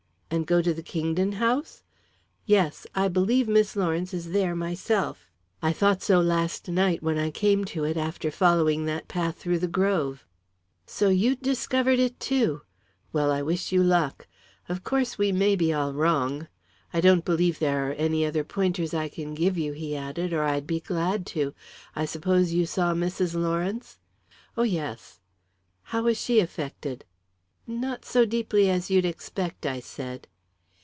"And go to the Kingdon house?" "Yes. I believe Miss Lawrence is there, myself. I thought so last night when I came to it after following that path through the grove." "So you'd discovered it, too! Well, I wish you luck. Of course, we may be all wrong. I don't believe there are any other pointers I can give you," he added, "or I'd be glad to. I suppose you saw Mrs. Lawrence?" "Oh yes." "How was she affected?" "Not so deeply as you'd expect," I said.